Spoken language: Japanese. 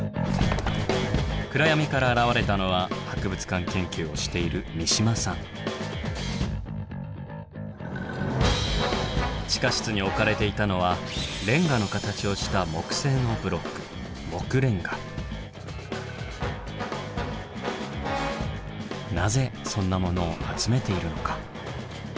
暗闇から現れたのは地下室に置かれていたのはレンガの形をした木製のブロックなぜそんなものを集めているのか。